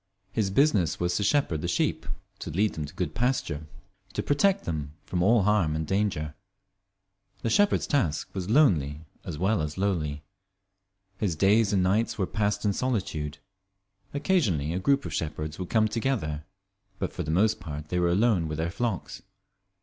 His business was to shepherd the sheep, to lead them to good pasture, to protect them from all harm and danger. The shepherd's task was lonely as well as lowly. His days and nights were passed in solitude. Occasionally a group of shepherds would come together, but for the most part they were alone with their flocks.